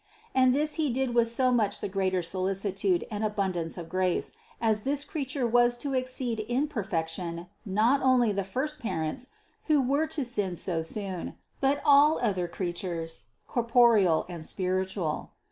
And this He did with so much the greater solicitude and abundance of grace, as this Creature was to exceed in perfection not only the first parents, who were to sin so soon, but all the other creatures, corporal and spiritual.